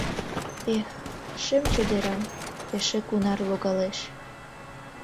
Эх, шем чодырам, эше кунар логалеш